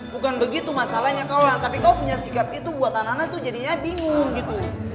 bukan begitu masalahnya kau lah tapi kau punya sikap itu buat anak anak itu jadinya bingung gitu